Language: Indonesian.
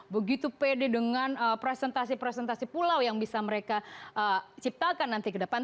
begitu pede dengan presentasi presentasi pulau yang bisa mereka ciptakan nanti ke depan